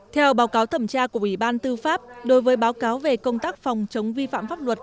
theo báo cáo thẩm tra của ủy ban tư pháp đối với báo cáo về công tác phòng chống vi phạm pháp luật